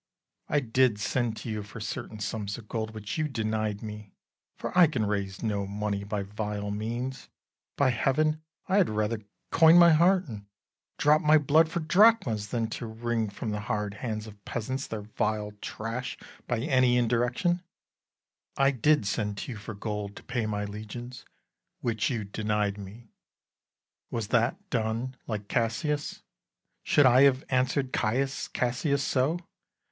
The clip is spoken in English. I did send to you For certain sums of gold, which you denied me: For I can raise no money by vile means: By heaven, I had rather coin my heart, And drop my blood for drachmas, than to wring From the hard hands of peasants their vile trash By any indirection: I did send To you for gold to pay my legions, Which you denied me: was that done like Cassius? Should I have answer'd Caius Cassius so?